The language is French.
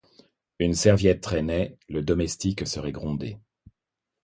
Une serviette traînait, le domestique serait grondé.